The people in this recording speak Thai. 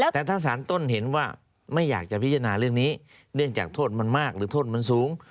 แต่ถ้าสารต้นเห็นว่าไม่อยากจะพิจารณาเรื่องนี้เนื่องจากโทษมันมากหรือโทษมันสูง